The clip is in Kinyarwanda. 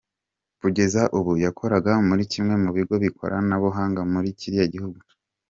Kugeza ubu yakoraga muri kimwe mu bigo by’ikoranabuhanga muri kiriya gihugu.